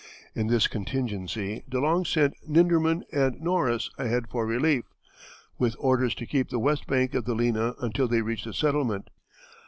In this contingency De Long sent Nindermann and Noros ahead for relief, with orders to keep the west bank of the Lena until they reached a settlement.